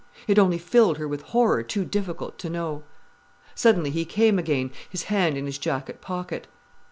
It only filled her with horror too difficult to know. Suddenly he came again, his hand in his jacket pocket.